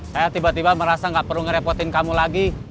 saya tiba tiba merasa nggak perlu ngerepotin kamu lagi